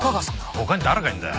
他に誰がいるんだよ。